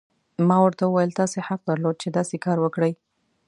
ما ورته وویل: تاسي حق درلود، چې داسې کار وکړي.